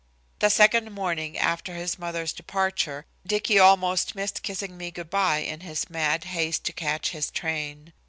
The second morning after his mother's departure, Dicky almost missed kissing me good by in his mad haste to catch his train.